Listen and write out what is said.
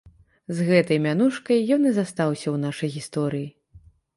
З гэтай мянушкай ён і застаўся ў нашай гісторыі.